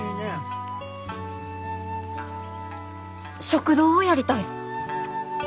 食堂をやりたい。